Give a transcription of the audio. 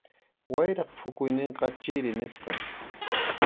Wayrap phukuyninqa chiri nisqam.